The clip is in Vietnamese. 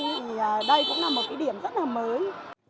thì đây cũng là một điểm rất là mới